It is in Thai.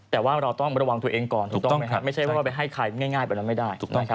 แต่ว่าเราต้องระวังตัวเองก่อนถูกต้องไหมครับไม่ใช่ว่าไปให้ใครง่ายกว่านั้นไม่ได้